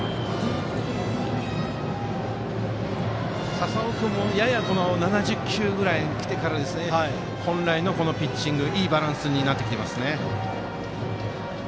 笹尾君も７０球ぐらいになってから本来のピッチングいいバランスになってきてますね。